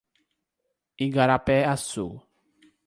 Igarapé-Açu